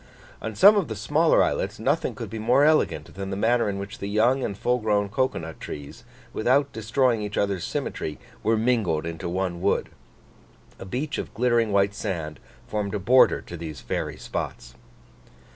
On some of the smaller islets, nothing could be more elegant than the manner in which the young and full grown cocoa nut trees, without destroying each other's symmetry, were mingled into one wood. A beach of glittering white sand formed a border to these fairy spots.